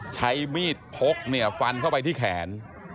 ใช้มีดพกฟันเข้าไปที่แขน